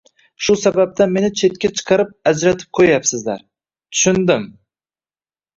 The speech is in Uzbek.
Shu sababdan meni chetga chiqarib ajratib qo‘yayapsizlar, tushundim…